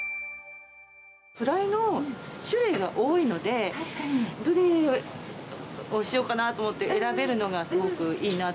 フライの種類が多いので、どれにしようかなと思って選べるのが、すごくいいなと。